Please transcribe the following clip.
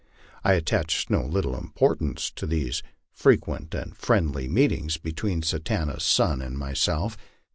I attached no little importance to these frequent and friendly meetings between Satanta's son and myself.